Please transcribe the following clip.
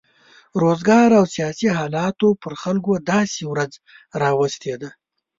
روزګار او سیاسي حالاتو پر خلکو داسې ورځ راوستې ده.